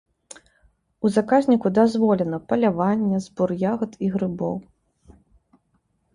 У заказніку дазволена паляванне, збор ягад і грыбоў.